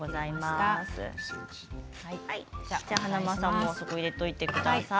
華丸さんもそこに入れておいてください。